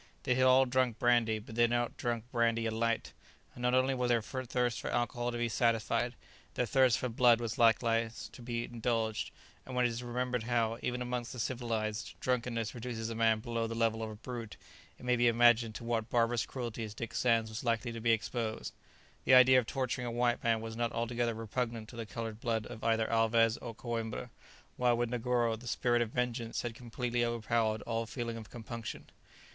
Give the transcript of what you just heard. They had all drunk brandy, but they had not drunk brandy alight. And not only was their thirst for alcohol to be satisfied; their thirst for blood was likewise to be indulged; and when it is remembered how, even amongst the civilized, drunkenness reduces a man below the level of a brute, it may be imagined to what barbarous cruelties Dick Sands was likely to be exposed. The idea of torturing a white man was not altogether repugnant to the coloured blood of either Alvez or Coïmbra, while with Negoro the spirit of vengeance had completely overpowered all feeling of compunction.